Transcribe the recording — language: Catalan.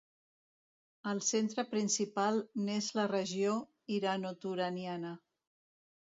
El centre principal n'és la regió iranoturaniana.